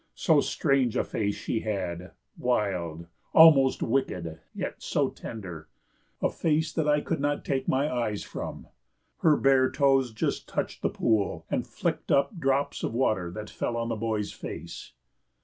So strange a face she had, wild, almost wicked, yet so tender; a face that I could not take my eyes from. Her bare toes just touched the pool, and flicked up drops of water that fell on the boy's face.